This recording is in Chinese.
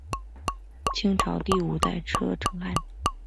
清朝第五代车臣汗。